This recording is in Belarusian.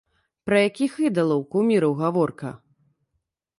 Пра якіх ідалаў, куміраў гаворка?